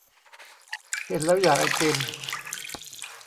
เห็นแล้วอยากไอติม